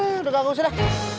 uuuh udah ganggu sudah